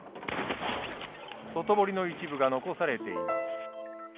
外堀の一部が残されています。